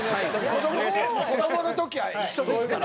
子どもの時は一緒ですから。